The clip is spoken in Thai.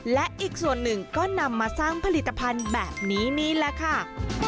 และอีกส่วนหนึ่งก็นำมาสร้างผลิตภัณฑ์แบบนี้นี่แหละค่ะ